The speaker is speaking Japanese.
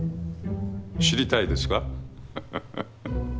知りたいですか？